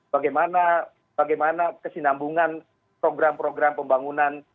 bagaimana kesinambungan program program pembangunan